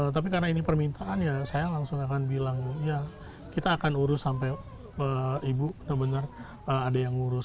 tapi karena ini permintaan ya saya langsung akan bilang ya kita akan urus sampai ibu benar benar ada yang ngurus